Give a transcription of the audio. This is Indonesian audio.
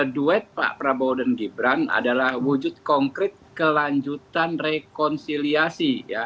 duet pak prabowo dan gibran adalah wujud konkret kelanjutan rekonsiliasi